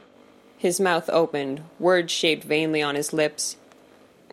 His mouth opened; words shaped vainly on his lips.